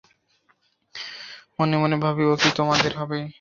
মনে মনে ভাবে-ও কি তোমাদের হবে?